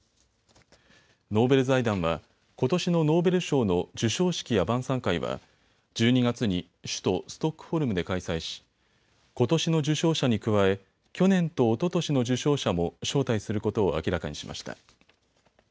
ノーベル財団はことしのノーベル賞の授賞式や晩さん会は１２月に首都ストックホルムで開催しことしの受賞者に加え去年とおととしの受賞者も招待することを明らかにしました。